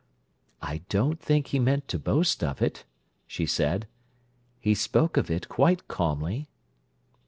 "I don't think he meant to boast of it," she said: "He spoke of it quite calmly."